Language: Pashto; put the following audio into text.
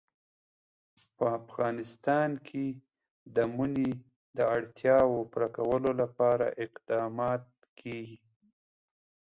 په افغانستان کې د منی د اړتیاوو پوره کولو لپاره اقدامات کېږي.